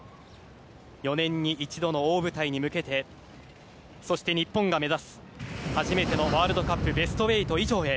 ４年に一度の大舞台に向けてそして日本が目指す、初めてのワールドカップベスト８以上へ。